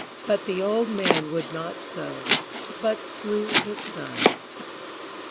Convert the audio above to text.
But the old man would not so, but slew his son. .